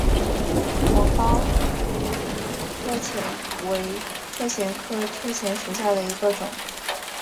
芒苞车前为车前科车前属下的一个种。